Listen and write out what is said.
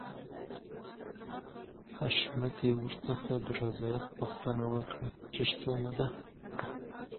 حشمتي ورڅخه د رضايت پوښتنه وکړه چې سمه ده.